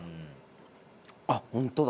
あっホントだ。